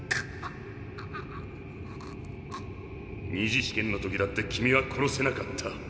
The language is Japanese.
２次試験の時だって君は殺せなかった。